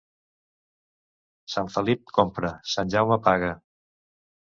Sant Felip compra; Sant Jaume paga.